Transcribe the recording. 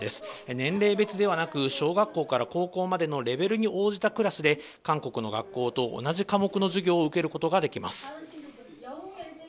年齢別ではなく、小学校から高校までのレベルに応じたクラスで、韓国の学校と同じ科目の授業を受けることができます。